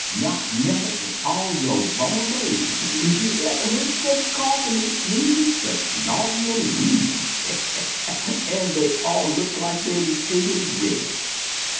Not never in all yo' born days is you y'ever heern sech coughin' an' sneezin', sech snortin' an' wheezin'! An' dey all look like dey wuz painted red.